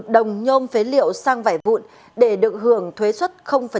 đồng nhôm phế liệu sang vải vụn để được hưởng thuế xuất